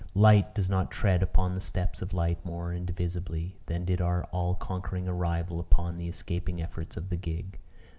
Light does not tread upon the steps of light more indivisibly, than did our all conquering arrival upon the escaping efforts of the gig.